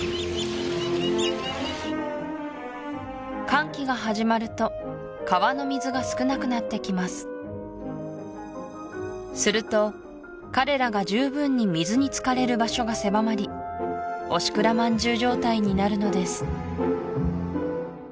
乾季が始まると川の水が少なくなってきますすると彼らが十分に水につかれる場所が狭まりおしくらまんじゅう状態になるのです